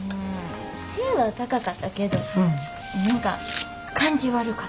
背ぇは高かったけど何か感じ悪かった。